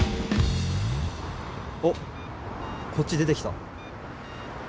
おっこっち出てきた。